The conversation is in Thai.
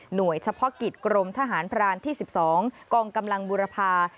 โดยเฉพาะกิจกรมทหารพรานที่๑๒กองกำลังบุรพา